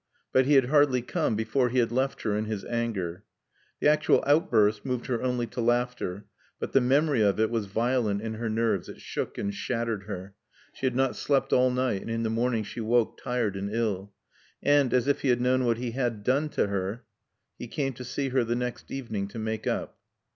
But he had hardly come before he had left her in his anger. The actual outburst moved her only to laughter, but the memory of it was violent in her nerves, it shook and shattered her. She had not slept all night and in the morning she woke tired and ill. And, as if he had known what he had done to her, he came to see her the next evening, to make up.